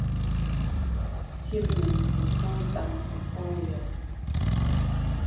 He remained with Coe's band for four years.